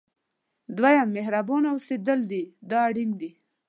دریم مهربانه اوسېدل دی دا اړین دي.